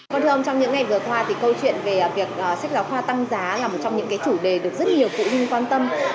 vâng thưa ông trong những ngày vừa qua thì câu chuyện về việc sách giáo khoa tăng giá là một trong những chủ đề được rất nhiều phụ huynh quan tâm